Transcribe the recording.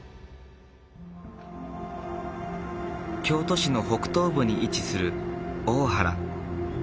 京都市の北東部に位置する大原。